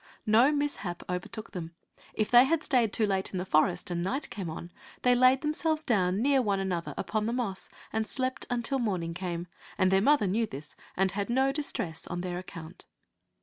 No mishap overtook them; if they had stayed too late in the forest, and night came on, they laid themselves down near one another upon the moss, and slept until morning came, and their mother knew this and had no distress on their account.